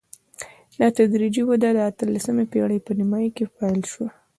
دا تدریجي وده د اتلسمې پېړۍ په نیمايي کې پیل شوه.